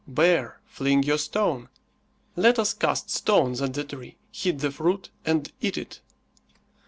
Bear, fling your stone. Let us cast stones at the tree, hit the fruit and eat it.